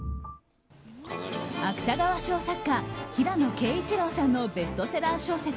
芥川賞作家・平野啓一郎さんのベストセラー小説